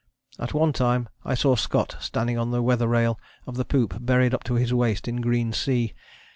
At one time I saw Scott, standing on the weather rail of the poop, buried to his waist in green sea.